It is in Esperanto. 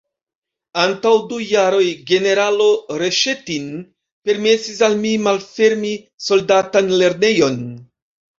Antaŭ du jaroj generalo Reŝetin permesis al mi malfermi soldatan lernejon.